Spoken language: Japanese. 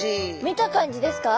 見た感じですか？